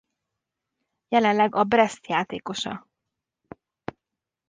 Jelenleg a Brest játékosa.